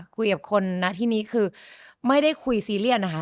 คุยกับคนณที่นี้คือไม่ได้คุยซีเรียสนะคะ